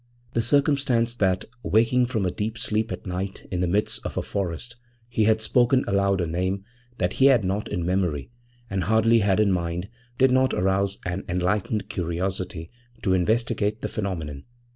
The circumstance that, waking from a deep sleep at night in the midst of a forest, he had spoken aloud a name that he had not in memory and hardly had in mind did not arouse an enlightened curiosity to investigate the phenomenon.